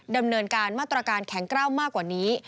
ดำเนินการมาตรการแข็งกล้าวมากกว่านี้